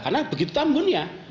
karena begitu tambun ya